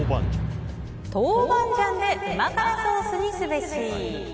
豆板醤でうま辛ソースにすべし。